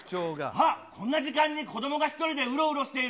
あっ、こんな時間に子どもが１人でうろうろしている。